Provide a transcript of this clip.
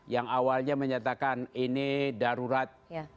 yang awalnya menyatakan ini darurat